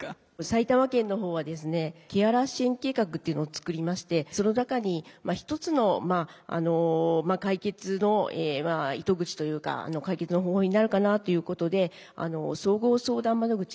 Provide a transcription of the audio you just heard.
埼玉県の方はですねケアラー支援計画っていうのを作りましてその中に一つの解決の糸口というか解決の方法になるかなということで総合相談窓口。